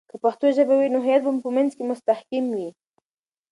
که پښتو ژبه وي، نو هویت به مو په منځ مي مستحکم وي.